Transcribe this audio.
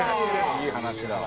いい話だ。